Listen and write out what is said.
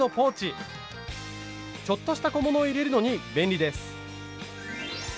ちょっとした小物を入れるのに便利です。